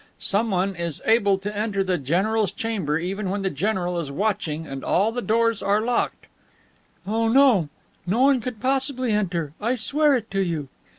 Someone is able to enter the general's chamber even when the general is watching and all the doors are locked.'" "Oh, no. No one could possibly enter. I swear it to you."